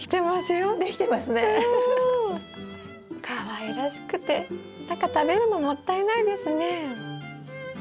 かわいらしくて何か食べるのもったいないですね。